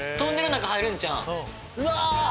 うわ！